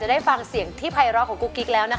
คุณแม่รู้สึกยังไงในตัวของกุ้งอิงบ้าง